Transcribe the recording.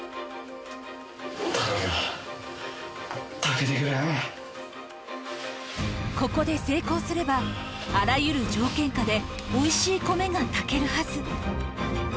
頼む、ここで成功すれば、あらゆる条件下で、おいしい米が炊けるはず。